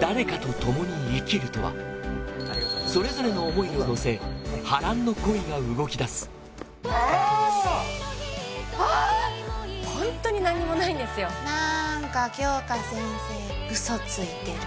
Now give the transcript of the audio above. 誰かとともに生きるとはそれぞれの思いを乗せああっああっホントに何にもないんですよなんか杏花先生嘘ついてる